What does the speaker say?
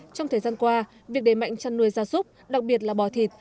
trong thời gian qua việc đẩy mạnh chăn nuôi da súc đặc biệt là bò thịt